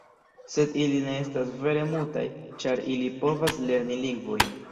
Sed ili ne estas vere mutaj, ĉar ili povas lerni lingvojn.